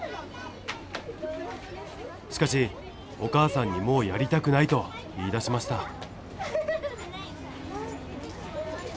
しかしお母さんに「もうやりたくない」と言いだしました。